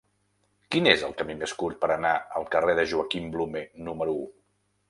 Quin és el camí més curt per anar al carrer de Joaquim Blume número u?